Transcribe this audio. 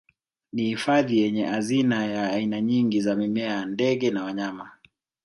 Ni hifadhi yenye hazina ya aina nyingi za mimea ndege na wanyama